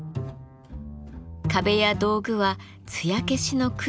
壁や道具はつや消しの黒で統一。